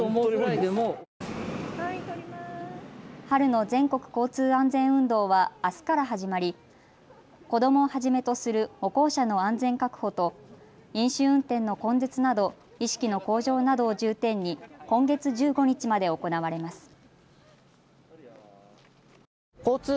春の全国交通安全運動はあすから始まり子どもをはじめとする歩行者の安全確保と飲酒運転の根絶など意識の向上などを重点に今月１５日まで行われます。